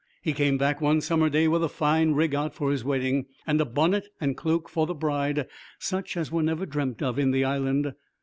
He came back one summer day with a fine rig out for his wedding, and a bonnet and cloak for the bride such as were never dreamt of in the Island.